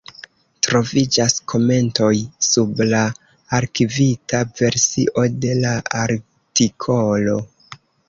Troviĝas komentoj sub la arkivita versio de la artikolo.